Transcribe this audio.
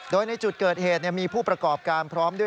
โดยในจุดเกิดเหตุมีผู้ประกอบการพร้อมด้วย